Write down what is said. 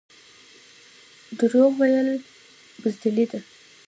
دروغ ویل بزدلي ده